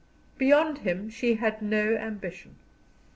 Beyond him she had no ambition.